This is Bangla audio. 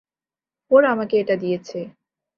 ফোর আমাকে এটা দিয়েছে।